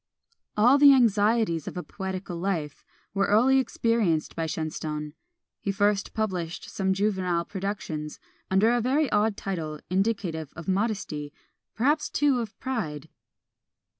All the anxieties of a poetical life were early experienced by Shenstone. He first published some juvenile productions, under a very odd title, indicative of modesty, perhaps too of pride.